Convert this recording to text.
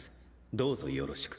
どうぞよろしく。